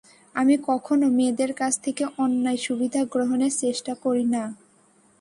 আমি কখনো মেয়েদের কাছ থেকে অন্যায় সুবিধা গ্রহণের চেষ্টা করি না।